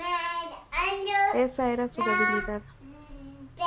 Ésa era su debilidad.